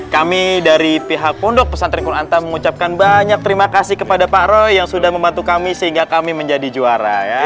kami dari pihak pondok pesantren kul anta mengucapkan banyak terima kasih kepada pak roy yang sudah membantu kami sehingga kami menjadi juara ya